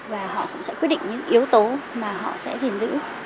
và họ cũng sẽ quyết định những yếu tố mà họ sẽ gìn giữ